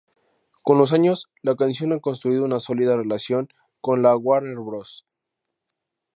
Con los años, la canción ha construido una sólida relación con la Warner Bros.